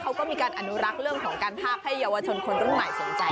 เขาก็มีการอนุรักษ์เรื่องของการภาพให้เยาวชนคนรุ่นใหม่สนใจ